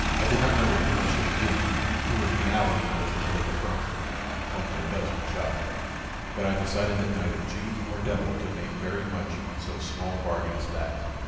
I did not know with whom I should be dealing, who in reality was the head of the firm (one never does when shopping) but I decided that neither Jew nor Devil could make very much on so small a bargain as that.